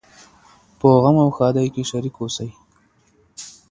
په غم او ښادۍ کي شريک اوسئ.